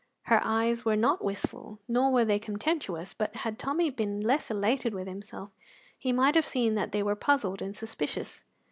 Her eyes were not wistful, nor were they contemptuous, but had Tommy been less elated with himself he might have seen that they were puzzled and suspicious.